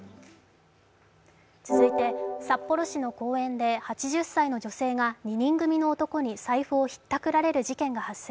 続いて、札幌市の公園で８０歳の女性が２人組の男に財布をひったくられる事件が発生。